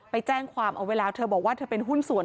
ไปแจ้งความเอาไว้แล้วเธอบอกว่าเธอเป็นหุ้นส่วน